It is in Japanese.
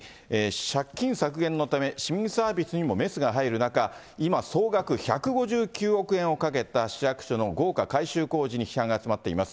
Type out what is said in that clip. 借金削減のため市民サービスにもメスが入る中、今、総額１５９億円をかけた市役所の豪華改修工事に批判が集まっています。